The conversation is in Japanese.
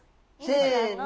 せの。